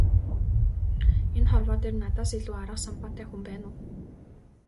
Энэ хорвоо дээр надаас илүү арга самбаатай хүн байна уу?